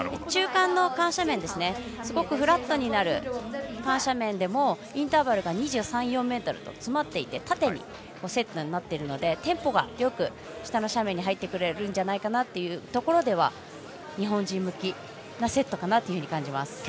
中間の緩斜面すごくフラットになる緩斜面でもインターバルが２３２４ｍと詰まっているので縦のセットになっているのでテンポよく、下の斜面に入ってくれるんじゃないかなというところでは日本人向きのセットかなと思います。